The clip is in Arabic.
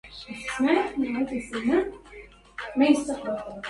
قد توالت علي منك أيادي